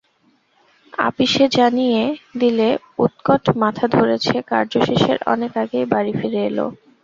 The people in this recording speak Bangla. আপিসে জানিয়ে দিলে উৎকট মাথা ধরেছে, কার্যশেষের অনেক আগেই বাড়ি ফিরে এল।